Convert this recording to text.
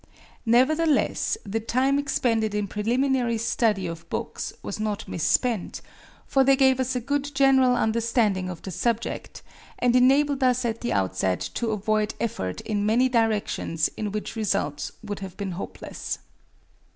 Nevertheless, the time expended in preliminary study of books was not misspent, for they gave us a good general understanding of the subject, and enabled us at the outset to avoid effort in many directions in which results would have been hopeless.